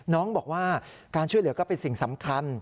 น้องบอกว่าการช่วยเหลือก็เป็นสิ่งสำคัญ